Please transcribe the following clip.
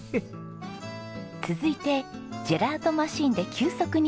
続いてジェラートマシンで急速に冷やして撹拌します。